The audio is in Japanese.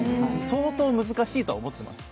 相当難しいとは思ってます。